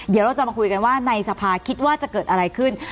เดี๋ยวเราจะมาคุยกันว่าในสภาคิดว่าจะเกิดอะไรขึ้น